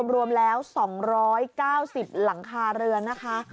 รวมแล้ว๒๙๐หลังคาเรือนนะคะ